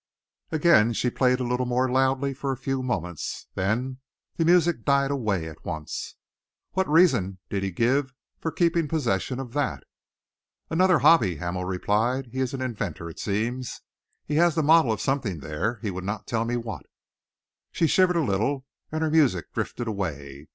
Again she played a little more loudly for a few moments. Then the music died away once more. "What reason did he give for keeping possession of that?" "Another hobby," Hamel replied. "He is an inventor, it seems. He has the model of something there; he would not tell me what." She shivered a little, and her music drifted away.